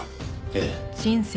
ええ。